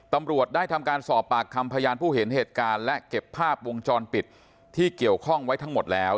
ตำรวจได้ทำการสอบปากคำพยานผู้เห็นเหตุการณ์และเก็บภาพวงจรปิดที่เกี่ยวข้องไว้ทั้งหมดแล้ว